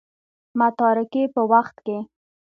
متارکې په وخت کې.